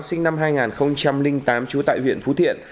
sinh năm hai nghìn tám